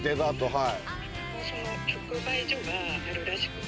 はい。